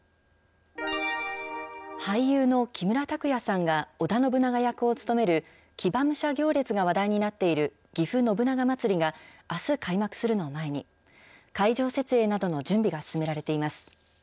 俳優の木村拓哉さんが織田信長役を務める騎馬武者行列が話題になっているぎふ信長まつりがあす開幕するのを前に、会場設営などの準備が進められています。